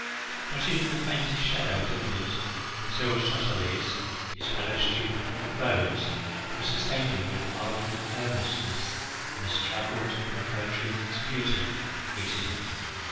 Not even the faintest shadow dimmed it until Soteles, his fellow student at Rhodes, who sustained him with ardent earnestness in the struggle to prefer truth to beauty, greeted him.